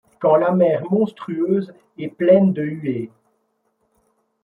Quand la mer monstrueuse et pleine de huées